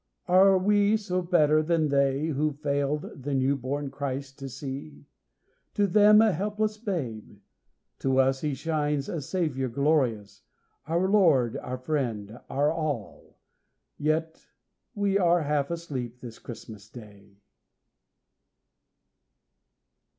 Are we so better, then, than they Who failed the new born Christ to see? To them a helpless babe, to us He shines a Saviour glorious, Our Lord, our Friend, our All yet we Are half asleep this Christmas day.